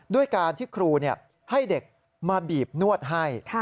ด้วยการที่ครูให้เด็กมาบีบนวดให้